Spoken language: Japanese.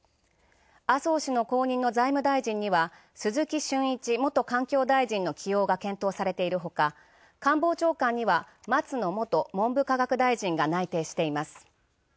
麻生氏の後任には鈴木俊一元環境大臣の起用が検討されているほか、環境大臣には松野元文部科学大臣が内定しています。